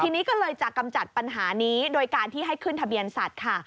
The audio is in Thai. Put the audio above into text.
ทีนี้ก็เลยจะกำจัดปัญหานี้โดยการที่ให้ขึ้นทะเบียนสัตว์ค่ะ